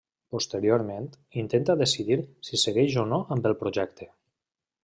Posteriorment, intenta decidir si segueix o no amb el projecte.